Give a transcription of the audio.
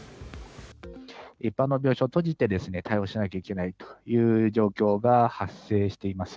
一般の病床を閉じて対応しなきゃいけないという状況が発生しています。